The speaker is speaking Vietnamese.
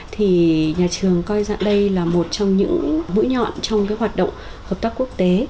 thì nhà trường coi ra đây là một trong những mũi nhọn trong cái hoạt động hợp tác quốc tế